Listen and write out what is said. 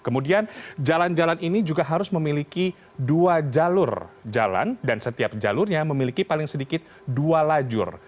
kemudian jalan jalan ini juga harus memiliki dua jalur jalan dan setiap jalurnya memiliki paling sedikit dua lajur